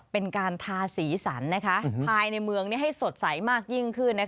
เป็นการทาสีสันภายในเมืองให้สดใสมากยิ่งขึ้น